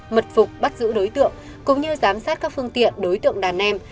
mật phục bắt giữ đối tượng cũng như giám sát các phương tiện đối tượng đàn em